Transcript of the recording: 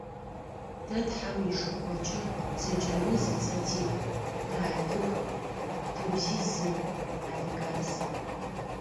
Тэ, тхьам ишыкуркӏэ, зэкӏэми зы цӏэ тиӏ – тыадыг, тыбзи – зы: адыгабз.